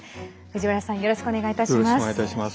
藤原さんよろしくお願いいたします。